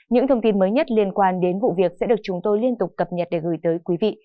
những thông tin mới nhất liên quan đến vụ việc sẽ được chúng tôi liên tục cập nhật để gửi tới quý vị